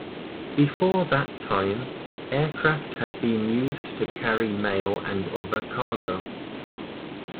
Before that time, aircraft had been used to carry mail and other cargo.